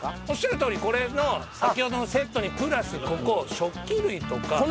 おっしゃる通りこれの先ほどのセットにプラスここ食器類とか。